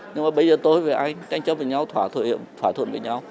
nhưng mà bây giờ tôi với anh tranh chấp với nhau thỏa thuận với nhau